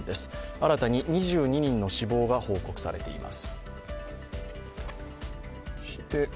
新たに２２人の死亡が報告されています。